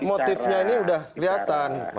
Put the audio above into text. motifnya ini sudah kelihatan